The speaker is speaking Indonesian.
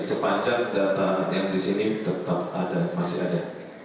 sepanjang data yang di sini tetap ada masih ada